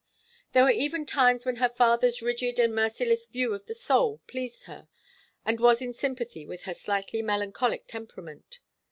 There were even times when her father's rigid and merciless view of the soul pleased her, and was in sympathy with her slightly melancholic temperament.